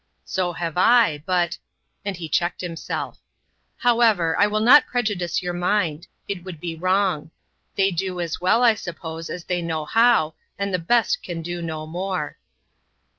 "So have I; but" and he checked himself; "however, I will not prejudice your mind; it would be wrong. They do as well, I suppose, as they know how, and the best can do no more."